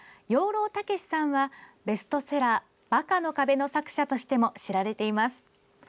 養老孟司さんはベストセラー「バカの壁」の作者としても知られています。